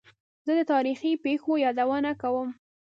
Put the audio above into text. زه د تاریخي پېښو یادونه کوم.